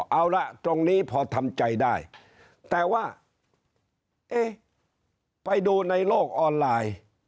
เอาล่ะตรงนี้พอทำใจได้แต่ว่าเอ๊ะไปดูในโลกออนไลน์